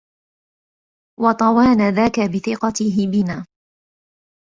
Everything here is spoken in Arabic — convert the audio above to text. وَطَوَانَا ذَاكَ بِثِقَتِهِ بِنَا